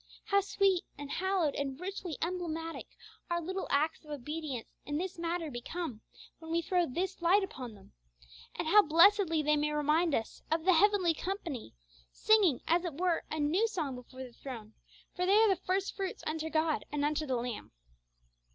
How sweet and hallowed and richly emblematic our little acts of obedience in this matter become, when we throw this light upon them! And how blessedly they may remind us of the heavenly company, singing, as it were, a new song before the throne; for they are the first fruits unto God and to the Lamb.